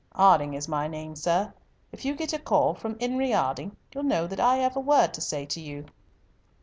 'Arding is my name, sir. If you get a call from 'Enery 'Arding, you'll know that I 'ave a word to say to you."